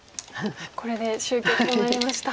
これで終局となりました。